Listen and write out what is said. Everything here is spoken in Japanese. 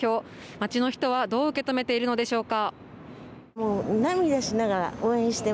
街の人はどう受け止めているのでしょうか。